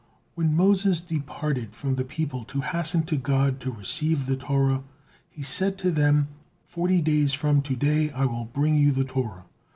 When Moses departed from the people to hasten to God to receive the Torah, he said to them: "Forty days from to day I will bring you the Torah."